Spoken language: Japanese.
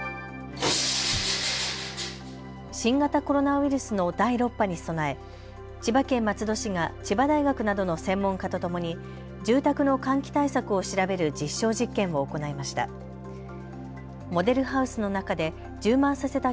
新型コロナウイルスの第６波に備え千葉県松戸市が千葉大学などの専門家とともに住宅の換気対策を調べる実証実験を行いました。